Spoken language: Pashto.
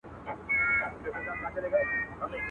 الله تعالی دي د يوسف عليه السلام وروڼو ته مغفرت وکړي.